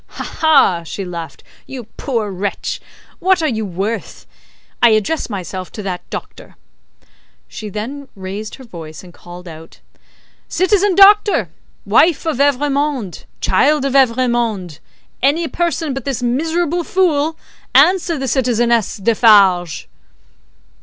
"Ha, ha!" she laughed, "you poor wretch! What are you worth! I address myself to that Doctor." Then she raised her voice and called out, "Citizen Doctor! Wife of Evrémonde! Child of Evrémonde! Any person but this miserable fool, answer the Citizeness Defarge!"